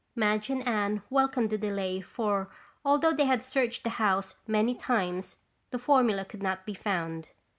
Madge and Anne welcomed the delay for although they had searched the house many times, the formula could not be found.